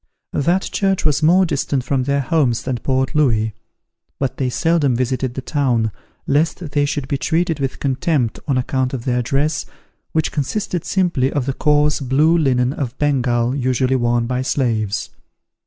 That church was more distant from their homes than Port Louis; but they seldom visited the town, lest they should be treated with contempt on account of their dress, which consisted simply of the coarse blue linen of Bengal, usually worn by slaves.